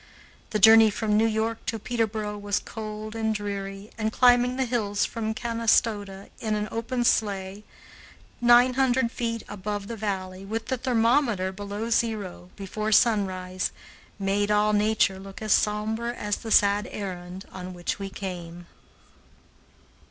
The journey from New York to Peterboro was cold and dreary, and climbing the hills from Canastota in an open sleigh, nine hundred feet above the valley, with the thermometer below zero, before sunrise, made all nature look as sombre as the sad errand on which we came.